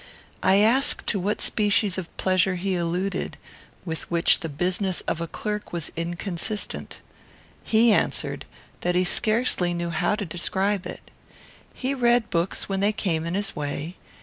I asked to what species of pleasure he alluded, with which the business of a clerk was inconsistent. He answered that he scarcely knew how to describe it. He read books when they came in his way.